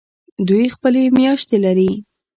دوی خپلې میاشتې لري.